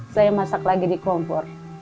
saya masak lagi di kompor